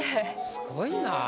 すごいな。